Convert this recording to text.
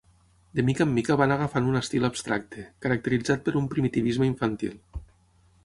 De mica en mica va anar agafant un estil abstracte, caracteritzat per un primitivisme infantil.